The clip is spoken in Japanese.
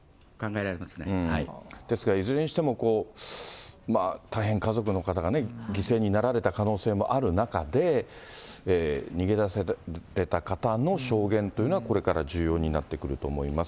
ですからいずれにしても、大変家族の方が犠牲になられた可能性もある中で、逃げ出された方の証言というのは、これから重要になってくると思います。